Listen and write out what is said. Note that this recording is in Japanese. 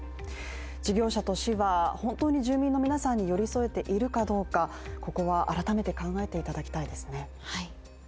事業者と市は本当に住民の皆さんに寄り添えているかどうかここは改めて考えていただきたいですね。